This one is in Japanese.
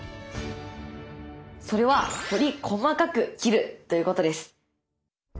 それはより細かく切るということです。